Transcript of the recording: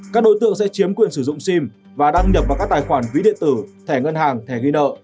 các đối tượng sẽ chiếm quyền sử dụng sim và đăng nhập vào các tài khoản ví điện tử thẻ ngân hàng thẻ ghi nợ